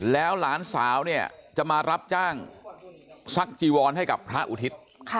แล้วหลานสาวเนี่ยจะมารับจ้างซักจีวรให้กับพระอุทิศ